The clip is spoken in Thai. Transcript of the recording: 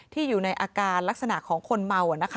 อยู่ในอาการลักษณะของคนเมา